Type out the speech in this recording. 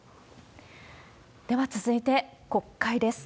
では続いて、国会です。